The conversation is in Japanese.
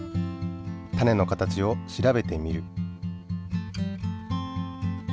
種の形を調べてみる。